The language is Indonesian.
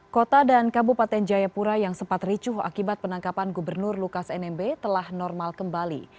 kota dan kabupaten jayapura yang sempat ricuh akibat penangkapan gubernur lukas nmb telah normal kembali